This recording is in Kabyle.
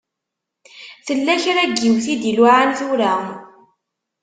Tella kra n yiwet i d-iluɛan tura.